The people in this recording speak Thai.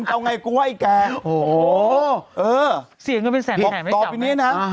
มึงเอาไงกูว่าไอ้แกโหเออเสียงกันเป็นแสนแห่งไม่จับต่อไปนี้น่ะอ่า